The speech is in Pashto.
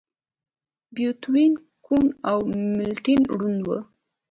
بيتووين کوڼ و او ملټن ړوند و.